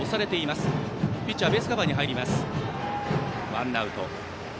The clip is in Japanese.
ワンアウト。